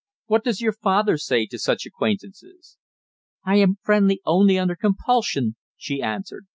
"What does your father say to such acquaintances?" "I am friendly only under compulsion," she answered.